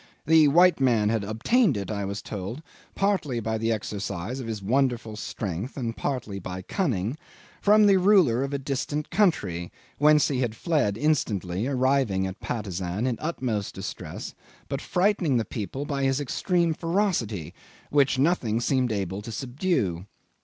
The white man had obtained it, I was told, partly by the exercise of his wonderful strength and partly by cunning, from the ruler of a distant country, whence he had fled instantly, arriving in Patusan in utmost distress, but frightening the people by his extreme ferocity, which nothing seemed able to subdue.